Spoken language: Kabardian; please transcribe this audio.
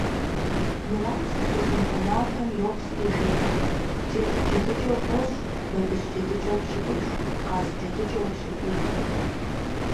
Мурат, тхылъымпӀэ напэм йоплъри, жеӀэ: Джэд джэдыкӀэу тӀощӀ, бабыщ джэдыкӀэу пщыкӀутх, къаз джэдыкӀэу пщыкӀуий.